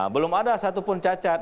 belum ada satu pun cacat